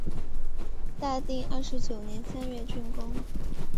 大定二十九年三月竣工。